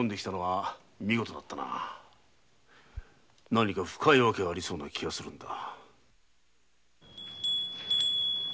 何か深い訳がありそうな気がするんだ。